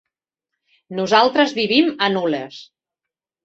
Nosaltres vivim a Nules.